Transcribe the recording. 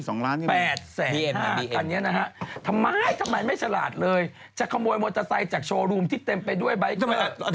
อันนี้นะฮะทำไมทำไมไม่ฉลาดเลยจะขโมยมอเตอร์ไซค์จากโชว์รูมที่เต็มไปด้วยใบเกอร์